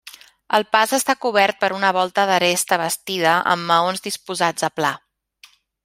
El pas està cobert per una volta d'aresta bastida amb maons disposats a pla.